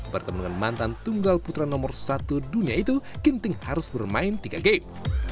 bertemu dengan mantan tunggal putra nomor satu dunia itu ginting harus bermain tiga game